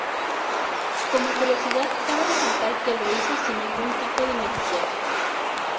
Como curiosidad cabe resaltar que lo hizo sin ningún tipo de maquillaje.